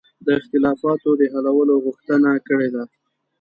د اختلافاتو د حلولو غوښتنه کړې ده.